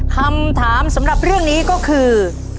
คำถามสำหรับเรื่องนี้ก็คือ